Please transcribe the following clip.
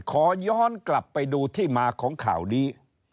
ขอย้อนกลับไปดูที่มาของข่าวนี้